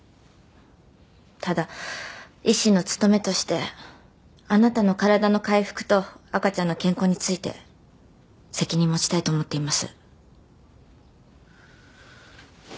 ただ医師の務めとしてあなたの体の回復と赤ちゃんの健康について責任持ちたいと思っています。